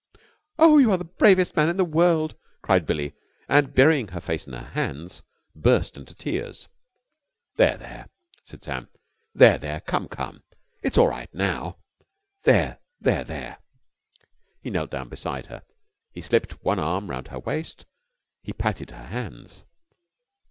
"Oh, you are the bravest man in the world!" cried Billie, and, burying her face in her hands, burst into tears. "There, there!" said Sam. "There, there! Come come! It's all right now! There, there, there!" He knelt down beside her. He slipped one arm round her waist. He patted her hands.